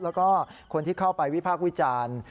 แล้วก็คนที่เข้าไปวิพากษ์วิจารณ์